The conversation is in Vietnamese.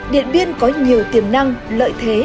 điện biên có nhiều tiềm năng lợi thế